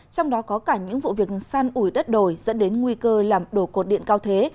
trong đó có cả những vụ việc san ủi đất đồi dẫn đến nguy cơ làm đổ cột điện cao thế